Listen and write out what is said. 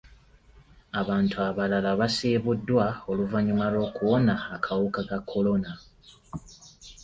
Abantu abalala basiibuddwa oluvannyuma lw'okuwona akawuka ka kolona.